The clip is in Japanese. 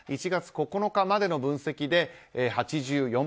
１月９日までの分析で８４％。